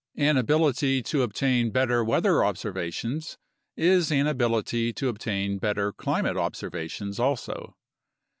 An ability to obtain better weather observations is an ability to obtain better climate observations also.